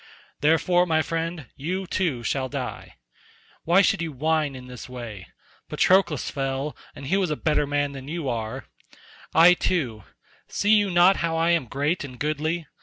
Therefore, my friend, you too shall die. Why should you whine in this way? Patroclus fell, and he was a better man than you are. I too—see you not how I am great and goodly?